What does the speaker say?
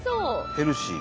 ヘルシー。